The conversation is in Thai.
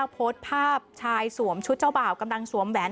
โพสต์ภาพชายสวมชุดเจ้าบ่าวกำลังสวมแหวน